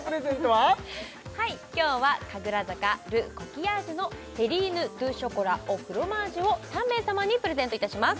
はい今日は神楽坂ルコキヤージュのテリーヌドゥショコラオフロマージュを３名様にプレゼントいたします